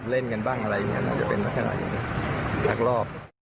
เล่นกันบ้างอะไรอย่างนี้หลักรอบ